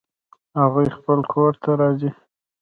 هغوی خپل کور ته راځي